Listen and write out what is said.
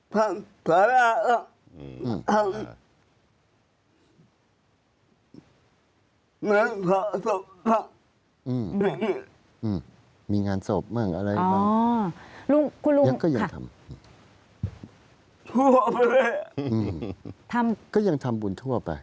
บุญทั่วไปพันธุ์ภรรยามีงานศพเมืองยังทำบุญทั่วไป